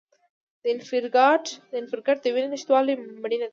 د انفارکټ د وینې نشتوالي مړینه ده.